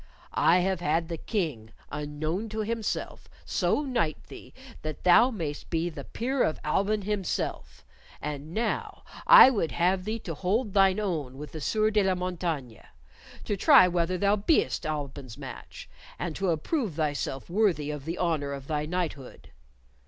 I have had the King, unknown to himself, so knight thee that thou mayst be the peer of Alban himself, and now I would have thee to hold thine own with the Sieur de la Montaigne, to try whether thou be'st Alban's match, and to approve thyself worthy of the honor of thy knighthood.